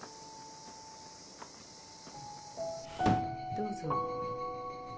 どうぞ。